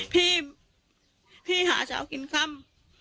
พี่หาเช้ากินค่ำ